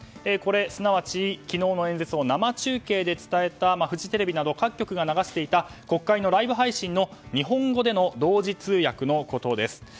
これすなわち昨日の演説を生中継で伝えたフジテレビなど各局が流していた国会のライブ配信の日本語での同時通訳のことです。